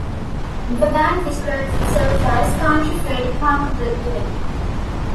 The band describes itself as "country-fed punkabilly".